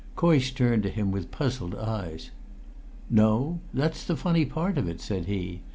Coysh turned to him with puzzled eyes. "No; that's the funny part of it," said he.